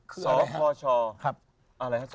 สคชอไหวร์